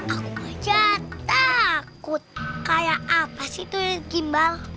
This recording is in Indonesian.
aku aja takut kayak apa sih itu gimbal